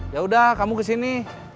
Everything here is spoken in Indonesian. ya udah kamu kesini